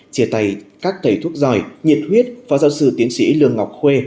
chia tay các thầy thuốc giỏi nhiệt huyết phó giáo sư tiến sĩ lương ngọc khuê